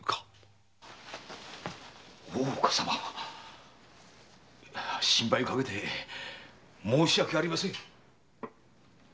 大岡様心配かけて申し訳ありません。